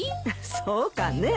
そうかね。